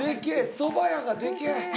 そば屋がでけえ！